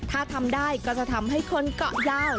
ถ้าทำได้ก็จะทำให้คนเกาะยาว